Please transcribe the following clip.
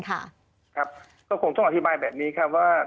ครับก็คงต้องอธิบายแบบนี้ครับว่า